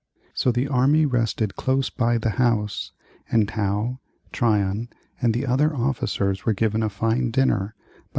So the army rested close by the house, and Howe, Tryon, and the other officers were given a fine dinner by Mrs. Murray.